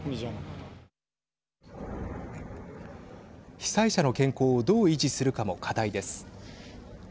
被災者の健康をどう維持するかも課題です。